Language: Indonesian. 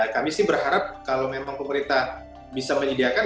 kami sih berharap kalau memang pemerintah bisa menyediakan